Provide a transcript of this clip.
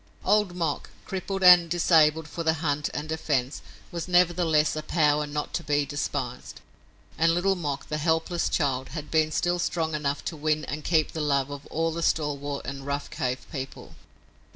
Old Mok, crippled and disabled for the hunt and defense, was nevertheless a power not to be despised, and Little Mok, the helpless child, had been still strong enough to win and keep the love of all the stalwart and rough cave people.